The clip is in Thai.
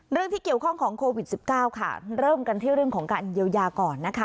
เรื่องที่เกี่ยวข้องของโควิด๑๙ค่ะเริ่มกันที่เรื่องของการเยียวยาก่อนนะคะ